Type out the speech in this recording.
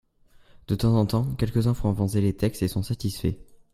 De temps en temps, quelques-uns font avancer les textes et sont satisfaits.